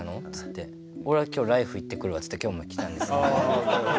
っつって「俺は今日『ＬＩＦＥ！』行ってくるわ」っつって今日も来たんですけど。